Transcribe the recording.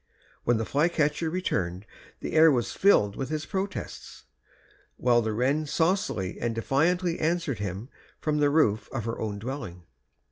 When the flycatcher returned the air was filled with his protests, while the wren saucily and defiantly answered him from the roof of her own dwelling.